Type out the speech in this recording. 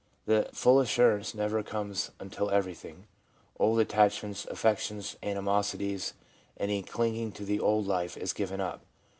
The full assurance never comes until everything — old attach ments, affections, animosities, any clinging to the old life, is given up.